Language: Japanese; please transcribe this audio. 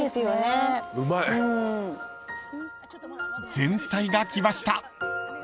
［前菜が来ました］